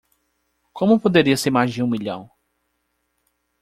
Como poderia ser mais de um milhão?